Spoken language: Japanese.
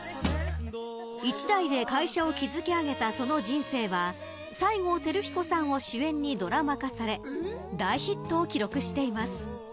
一代で会社を築き上げたその人生は西郷輝彦さんを主演にドラマ化され大ヒットを記録しています。